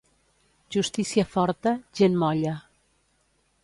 Justícia forta, gent molla.